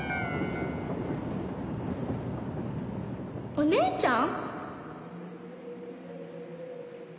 お姉ちゃん？